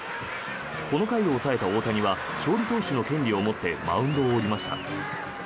この回を抑えた大谷は勝利投手の権利を持ってマウンドを降りました。